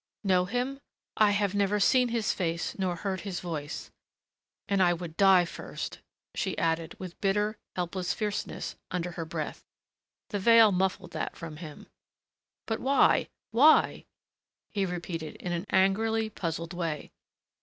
"Know him? I have never seen his face nor heard his voice and I would die first," she added with bitter, helpless fierceness under her breath. The veil muffled that from him. "But why why?" he repeated in an angrily puzzled way.